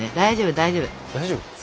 大丈夫？